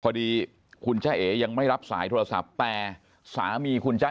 พอดีคุณจ้าเอ๋ยังไม่รับสายโทรศัพท์แต่สามีคุณจ้า